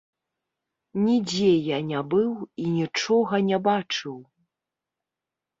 Нідзе я не быў і нічога не бачыў.